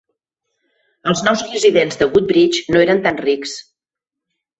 Els nou residents de Woodbridge no eren tan rics.